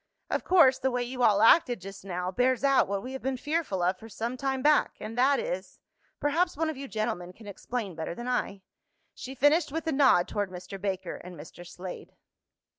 Of course the way you all acted just now bears out what we have been fearful of for some time back, and that is perhaps one of you gentlemen can explain better than I," she finished with a nod toward Mr. Baker and Mr. Slade.